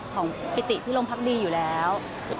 ของปิติพิรมพักดีอยู่แล้ว